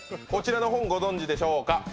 こちらの本ご存じでしょうか？